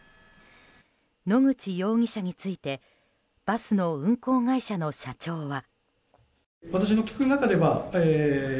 野口容疑者についてバスの運行会社の社長は。